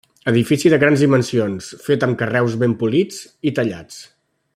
Edifici de grans dimensions, fet amb carreus ben polits i tallats.